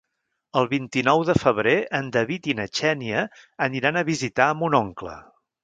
El vint-i-nou de febrer en David i na Xènia aniran a visitar mon oncle.